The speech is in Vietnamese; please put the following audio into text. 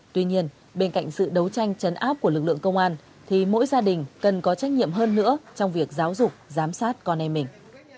tuy nhiên bên cạnh sự đấu tranh chấn áp của lực lượng công an thì mỗi gia đình cần có trách nhiệm hơn nữa trong việc giáo dục giám sát con em mình